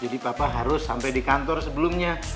jadi papa harus sampai di kantor sebelumnya